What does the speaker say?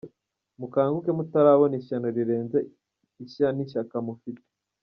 Mukanguke mutarabona ishyano rirenze ishya n’ishyaka mufite.